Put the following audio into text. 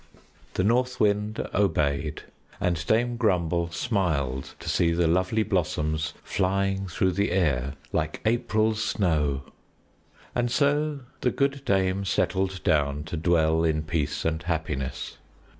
The North Wind obeyed, and Dame Grumble smiled to see the lovely blossoms flying through the air like April snow. And so the good dame settled down to dwell in peace and happiness.